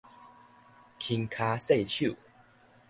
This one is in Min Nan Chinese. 輕跤細手